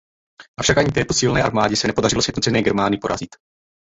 Avšak ani takto silné armádě se nepodařilo sjednocené Germány porazit.